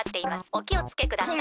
おきをつけください。